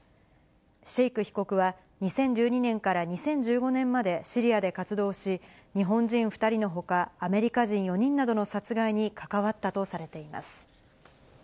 シェイク被告は、２０１２年から２０１５年までシリアで活動し、日本人２人のほか、アメリカ人４人などの殺害に関わったとされています。